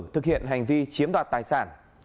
thực hiện hành vi chiếm đoạt tài sản